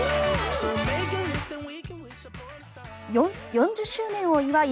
４０周年を祝い